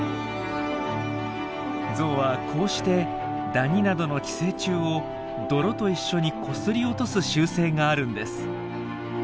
ゾウはこうしてダニなどの寄生虫を泥と一緒にこすり落とす習性があるんです。